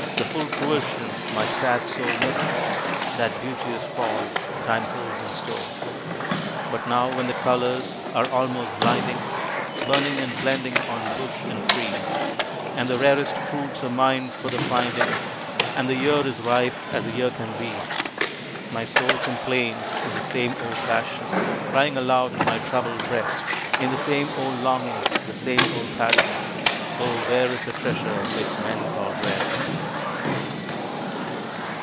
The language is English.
The full fruition my sad soul misses That beauteous Fall time holds in store!" But now when the colors are almost blinding, Burning and blending on bush and tree, And the rarest fruits are mine for the finding, And the year is ripe as a year can be, My soul complains in the same old fashion; Crying aloud in my troubled breast Is the same old longing, the same old passion. O where is the treasure which men call rest?